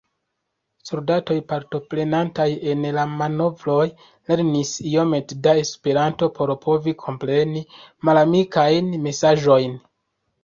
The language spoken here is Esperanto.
Soldatoj partoprenantaj en la manovroj lernis iomete da Esperanto por povi kompreni malamikajn mesaĝojn.